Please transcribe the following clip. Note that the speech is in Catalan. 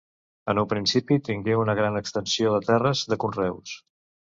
En un principi tingué una gran extensió de terres de conreus.